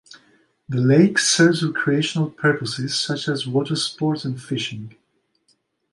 The lake serves recreational purposes such as watersports and fishing.